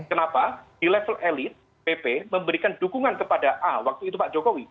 kenapa di level elit pp memberikan dukungan kepada a waktu itu pak jokowi